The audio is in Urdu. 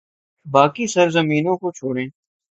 باقی سرزمینوں کو چھوڑیں۔